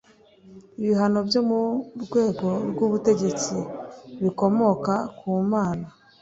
Ibihano byo mu rwego rw ubutegetsi bikomoka ku mana